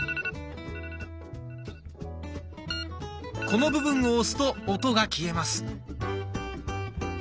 この部分を押すと音が消えます。